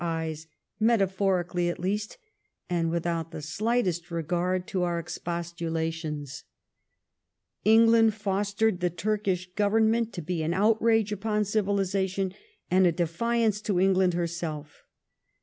count di cavouk eyes, metaphori (Sip, orBr«gi,«fFi,.™«) cally at least, and without the slightest regard to our expostulations. England fostered the Turkish Government to be an outrage upon civilization and a defiance to England herself.